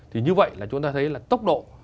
thì như vậy chúng ta thấy là tốc độ